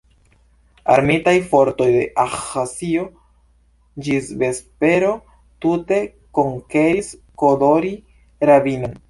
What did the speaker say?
Armitaj fortoj de Abĥazio ĝis vespero tute konkeris Kodori-ravinon.